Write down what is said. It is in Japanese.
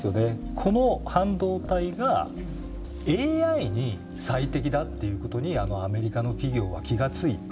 この半導体がＡＩに最適だっていうことにアメリカの企業は気が付いた。